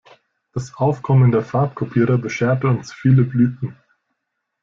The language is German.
Das Aufkommen der Farbkopierer bescherte uns viele Blüten.